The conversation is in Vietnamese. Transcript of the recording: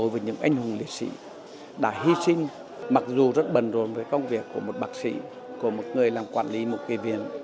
và hy sinh mặc dù rất bần rộn với công việc của một bác sĩ của một người làm quản lý một kỳ viện